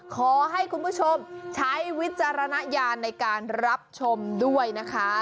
ขอให้คุณผู้ชมใช้วิจารณญาณในการรับชมด้วยนะคะ